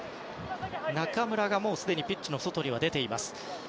中村がすでにピッチの外に出ています。